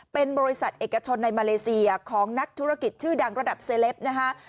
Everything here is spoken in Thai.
เป็นบริษัทเอกชนในมาเลเซียของนักธุรกิจชื่อดังระดับเซลปนะคะ